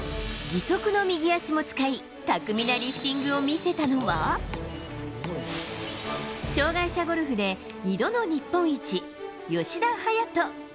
義足の右足も使い、巧みなリフティングを見せたのは、障がい者ゴルフで２度の日本一、吉田隼人。